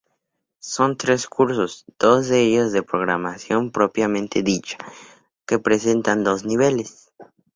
Son tres cursos, dos de ellos de programación propiamente dicha, que representan dos niveles.